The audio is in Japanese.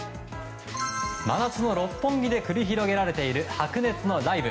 真夏の六本木で繰り広げられている白熱のライブ